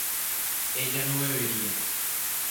ella no bebería